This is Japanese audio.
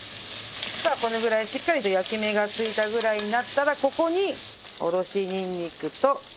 さあこのぐらいしっかりと焼き目がついたぐらいになったらここにおろしにんにくと。